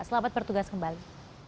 selamat bertugas kembali